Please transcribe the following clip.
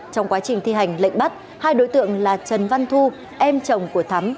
trong quá trình thi hành lệnh bắt hai đối tượng là trần văn thu em chồng của thắm